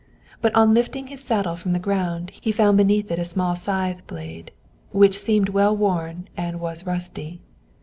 But on lifting his saddle from the ground, he found beneath it a small scythe blade, which seemed well worn and was rusty.